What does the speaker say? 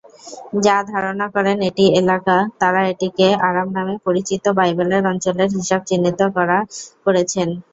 যা ধারনা করেন এটি এলাকা, তারা এটিকে আরাম নামে পরিচিত বাইবেলের অঞ্চলের হিসাবে চিহ্নিত করা করছেন।